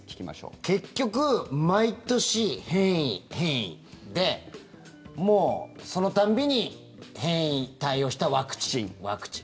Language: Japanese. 結局、毎年変異、変異でもうその度に、変異に対応したワクチン、ワクチン。